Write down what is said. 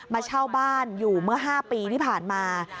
มาเช่าบ้านอยู่เมื่อ๕ปีที่ผ่านมา